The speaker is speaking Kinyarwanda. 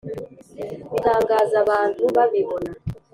Bitangaza abantu babibona.